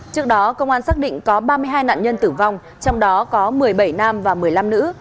trước đó công an xác định có ba mươi hai nạn nhân tử vong trong đó có một mươi bảy nam và một mươi năm nữ